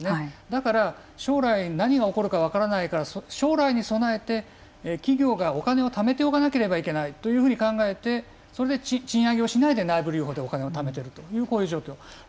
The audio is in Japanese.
だから将来何が起こるか分からないから将来に備えて企業がお金をためておかなければいけないというふうに考えてそれで賃上げをしないで内部留保でお金をためているというこういう状況。